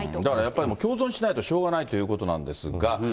だから、やっぱり共存しないとしょうがないということなんですが。